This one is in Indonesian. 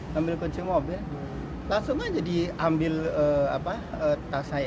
ngambil kunci mobil langsung aja diambil tas